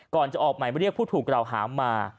ก่อนจะออกหมายเรียกผู้ถูกกล่าวหามา